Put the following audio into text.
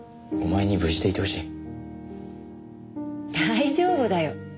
大丈夫だよ。